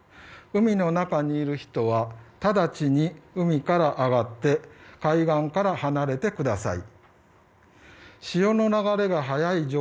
海の中にいる人は直ちに海から上がって海岸から離れてください。